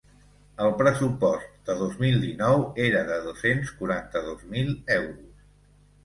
El pressupost de dos mil dinou era de dos-cents quaranta-dos mil euros.